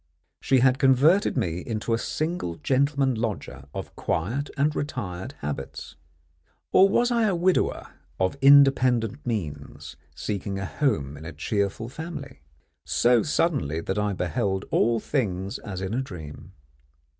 She had converted me into a single gentleman lodger of quiet and retired habits or was I a widower of independent means seeking a home in a cheerful family? so suddenly that I beheld all things as in a dream.